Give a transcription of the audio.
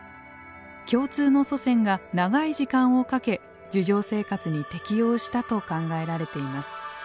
共通の祖先が長い時間をかけ樹上生活に適応したと考えられています。